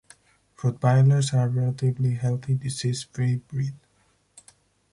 Rottweilers are a relatively healthy, disease-free breed.